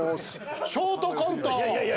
ショートコント。